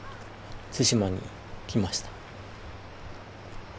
対馬に来ました。